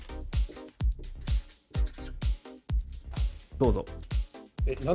どうぞ。